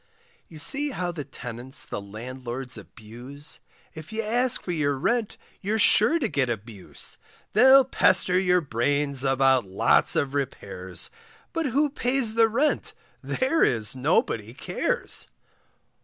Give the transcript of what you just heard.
You see how the tenants the landlords abuse, If you ask for your rent you're sure to get abuse; They'll pester your brains about lots of repairs, But who pays the rent, there is nobody cares.